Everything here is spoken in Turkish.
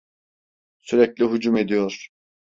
Sürekli hücum ediyor!